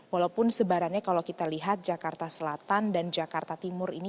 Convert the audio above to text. walaupun sebarannya kalau kita lihat jakarta selatan dan jakarta timur ini